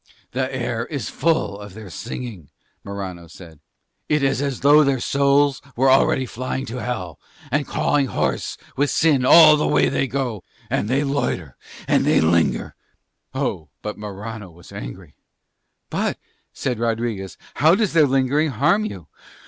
"The air is full of their singing," Morano said. "It is as though their souls were already flying to Hell, and cawing hoarse with sin all the way as they go. And they loiter, and they linger..." Oh, but Morano was angry. "But," said Rodriguez, "how does their lingering harm you?"